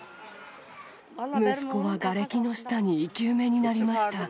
息子はがれきの下に生き埋めになりました。